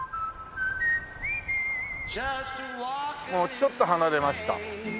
ちょっと離れました。